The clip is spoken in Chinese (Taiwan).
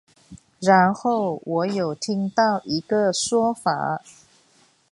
然後，我有聽到一個說法